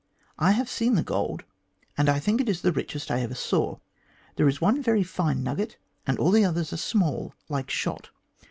I have seen the gold, and I think it is the richest I ever saw. There is one very fine nugget, and all the others are small, like shot.